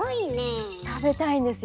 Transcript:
食べたいんですよ。